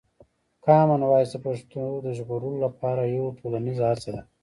کامن وایس د پښتو د ژغورلو لپاره یوه ټولنیزه هڅه ده.